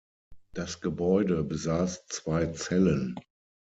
Das Gebäude besaß zwei Zellen.